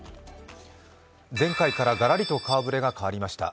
前回からガラリを顔ぶれが変わりました。